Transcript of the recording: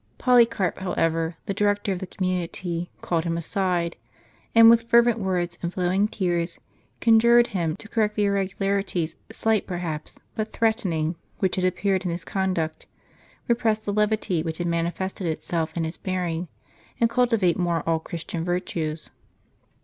Polycarp, however, the director of the community, called him aside ; and with fervent words and flowing tears, conjured him to correct the irregularities, slight perhaps, but threatening, which had appeared in his conduct, repress the levity which had manifested itself in his bearing, and cultivate more all Christian virtues.